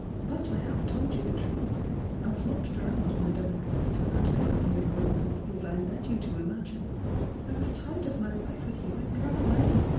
But I have told you the truth. I was not drowned on the Devon coast m that cove near Rose Lea as I led you to imagme I was tired of my life with you and ran away.